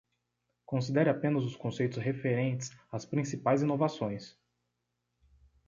Considere apenas os conceitos referentes às principais inovações?